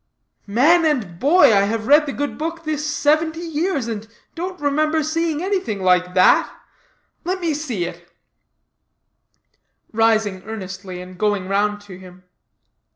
Man and boy, I have read the good book this seventy years, and don't remember seeing anything like that. Let me see it," rising earnestly, and going round to him.